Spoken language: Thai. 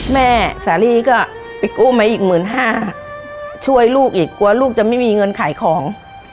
แม่สาลีก็ไปกู้มาอีกหมื่นห้าช่วยลูกอีกกลัวลูกจะไม่มีเงินขายของ